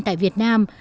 tại việt nam